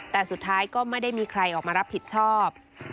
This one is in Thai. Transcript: แต่สุดท้ายก็ไม่ได้มีใครออกมารับผิดชอบ